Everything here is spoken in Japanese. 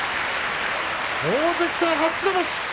大関戦、初白星です。